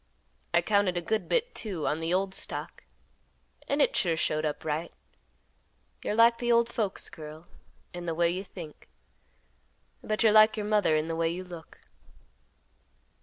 I counted a good bit, too, on the old stock, and it sure showed up right. You're like the old folks, girl, in the way you think, but you're like your mother in the way you look."